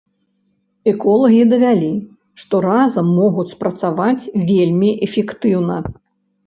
Эколагі давялі, што разам могуць спрацаваць вельмі эфектыўна.